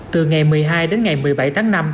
từ ngày một mươi hai đến ngày một mươi bảy tháng năm